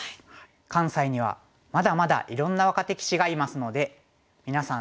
関西にはまだまだいろんな若手棋士がいますのでみなさん